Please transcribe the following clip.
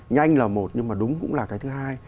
nhanh là một nhưng mà đúng cũng là cái thứ hai